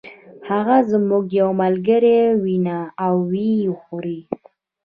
هغه زموږ یو ملګری ونیوه او و یې خوړ.